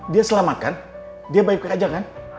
dia selamat kan dia baik baik aja kan